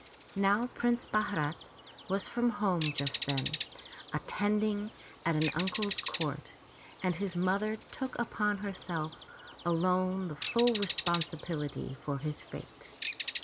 '* Now Prince Bharat was from home just then, attending at an uncle's court, and his mother took upon herself alone the full responsibility for his fate.